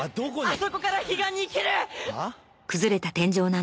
あそこから彼岸に行ける！はあ？